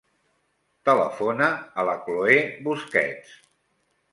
Telefona a la Chloé Busquets.